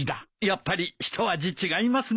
やっぱりひと味違いますね。